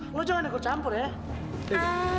lo jangan ikut campur ya